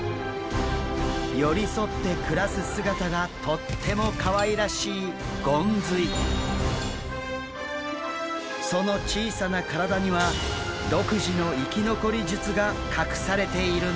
寄り添って暮らす姿がとってもかわいらしいその小さな体には独自の生き残り術が隠されているんです。